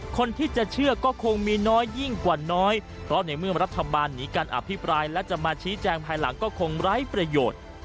คนที่จะเชื่อก็คงมีน้อยยิ่งกว่าน้อยเพราะในเมื่อรัฐบาลหนีการอภิปรายและจะมาชี้แจงภายหลังก็คงไร้ประโยชน์